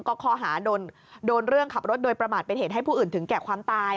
ก็ข้อหาโดนเรื่องขับรถโดยประมาทเป็นเหตุให้ผู้อื่นถึงแก่ความตาย